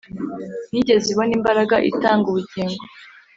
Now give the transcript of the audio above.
ntiyigeze ibona imbaraga itanga ubugingo